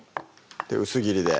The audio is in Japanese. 薄切りで？